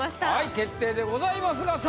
決定でございますがさあ